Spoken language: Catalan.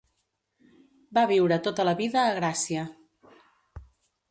Va viure tota la vida a Gràcia.